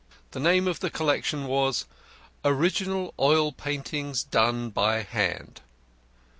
The name of the collection was "Original oil paintings done by hand."